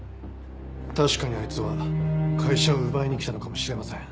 確かにあいつは会社を奪いに来たのかもしれません。